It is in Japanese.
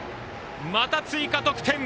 また追加得点！